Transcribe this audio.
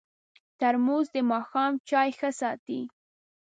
ترموز د ماښام چای ښه ساتي.